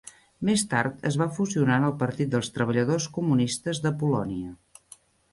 Més tard es va fusionar en el Partit dels Treballadors Comunistes de Polònia.